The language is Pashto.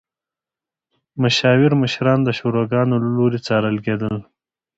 مشاور مشران د شوراګانو له لوري څارل کېدل.